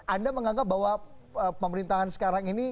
anda menganggap bahwa pemerintahan sekarang ini